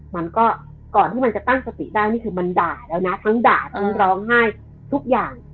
มันก็ก่อนที่มันจะตั้งสติได้นี่คือมันด่าแล้วนะทั้งด่าทั้งร้องไห้ทุกอย่าง